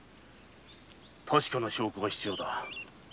確かな証拠が必要だ。